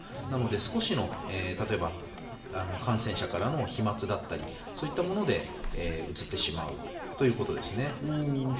なので少しの感染者からの飛沫だったり、そういったものでうつってしまうということですね。